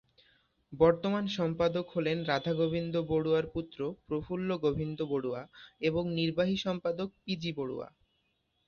বর্তমান সম্পাদক হলেন রাধা গোবিন্দ বড়ুয়ার পুত্র প্রফুল্ল গোবিন্দ বড়ুয়া এবং নির্বাহী সম্পাদক পিজি বড়ুয়া।